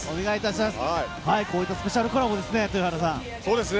こういったスペシャルコラボですね。